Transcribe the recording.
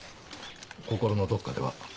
心のどっかでは。